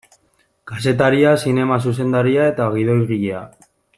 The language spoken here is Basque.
Kazetaria, zinema zuzendaria eta gidoigilea.